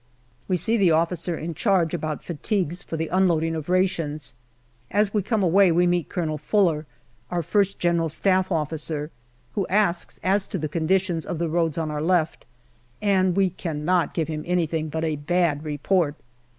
We see the officer in charge about fatigues 18 274 GALLIPOLI DIARY for the unloading of rations. As we come away we meet Colonel Fuller, our G.S.O.i, who asks as to the conditions of the roads on our left, and we cannot give him anything but a bad report.